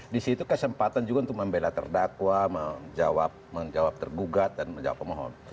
di situ kesempatan juga untuk membela terdakwa menjawab tergugat dan menjawab pemohon